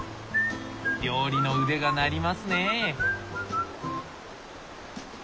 料理の腕が鳴りますね。